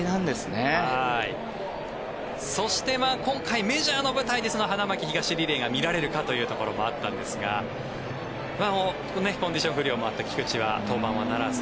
そして、今回メジャーの舞台で花巻東リレーが見られるかというところもあったんですがコンディション不良もあって菊池は登板はならず。